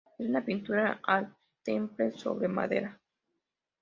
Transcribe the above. Es una pintura al temple sobre madera.